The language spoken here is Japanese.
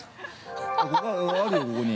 ◆あるよ、ここに。